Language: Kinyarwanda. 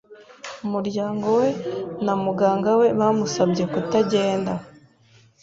Umuryango we na muganga we bamusabye kutagenda.